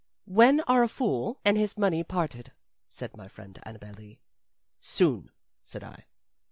"When are a fool and his money parted?" said my friend Annabel Lee. "Soon," said I.